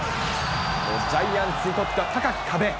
ジャイアンツにとっては高き壁。